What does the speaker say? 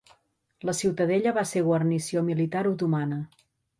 La ciutadella va ser guarnició militar otomana.